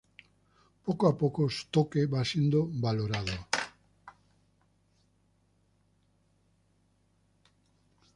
Poco a poco, su toque va siendo valorado.